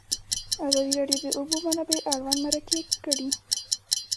ازادي راډیو د د اوبو منابع اړوند مرکې کړي.